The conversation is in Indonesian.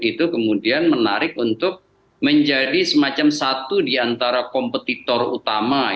itu kemudian menarik untuk menjadi semacam satu di antara kompetitor utama